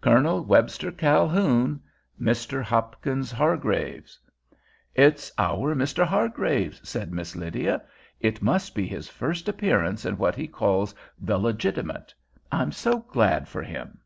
Col. Webster Calhoun .... Mr. Hopkins Hargraves. "It's our Mr. Hargraves," said Miss Lydia. "It must be his first appearance in what he calls 'the legitimate.' I'm so glad for him."